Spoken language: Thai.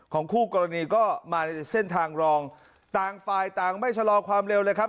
คู่กรณีก็มาในเส้นทางรองต่างฝ่ายต่างไม่ชะลอความเร็วเลยครับ